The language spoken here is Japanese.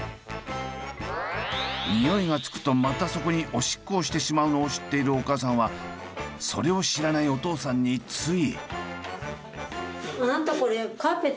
ニオイがつくとまたそこにおしっこをしてしまうのを知っているお母さんはそれを知らないお父さんについ。